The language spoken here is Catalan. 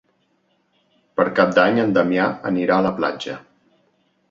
Per Cap d'Any en Damià anirà a la platja.